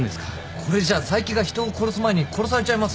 これじゃあ佐伯が人を殺す前に殺されちゃいますよ。